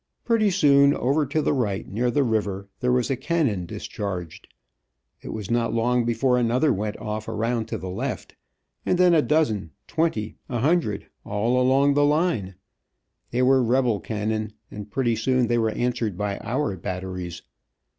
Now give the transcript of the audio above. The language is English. Pretty soon, over to the right, near the river, there was a cannon discharged. It was not long before another went off around to the left, and then a dozen, twenty, a hundred, all along the line. They were rebel cannon, and pretty soon they were answered by our batteries.